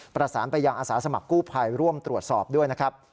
ประสานไปยังอาสาสมัครกู้ภัยร่วมตรวจสอบด้วยนะครับ